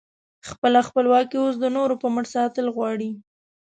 خپله خپلواکي اوس د نورو په مټ ساتل غواړې؟